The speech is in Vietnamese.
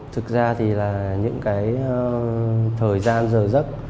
thực ra thì những thời gian dờ dứt